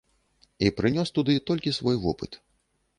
І прынёс туды толькі свой вопыт.